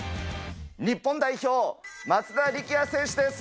日本代表、松田力也選手です。